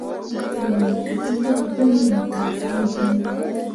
Mo yim ketǝtel puuli mo taa fĩĩ giŋ ne ?